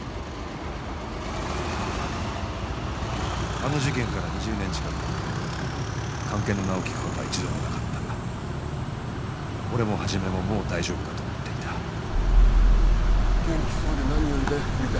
あの事件から２０年近く「菅研」の名を聞くことは一度もなかった俺も始ももう大丈夫だと思っていた元気そうで何よりだよ栗田。